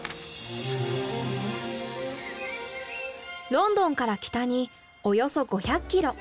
ロンドンから北におよそ５００キロ。